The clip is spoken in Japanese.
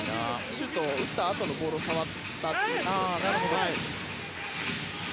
シュートを打ったあとのボールを触ったんですかね。